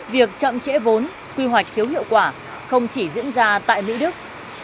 việc chậm trễ vốn quy hoạch thiếu hiệu quả không chỉ diễn ra tại mỹ đức